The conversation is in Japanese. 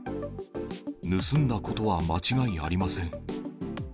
盗んだことは間違いありません。